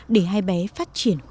để giúp đỡ các con nhỏ